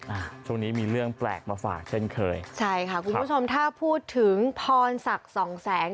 อ่าช่วงนี้มีเรื่องแปลกมาฝากเช่นเคยใช่ค่ะคุณผู้ชมถ้าพูดถึงพรศักดิ์สองแสง